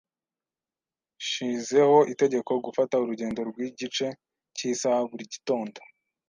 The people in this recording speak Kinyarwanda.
Nshizeho itegeko gufata urugendo rw'igice cy'isaha buri gitondo.